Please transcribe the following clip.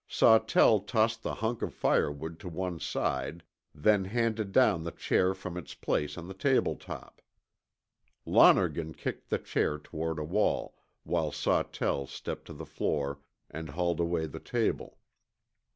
Sawtell tossed the hunk of firewood to one side, then handed down the chair from its place on the table top. Lonergan kicked the chair toward a wall, while Sawtell stepped to the floor and hauled away the table.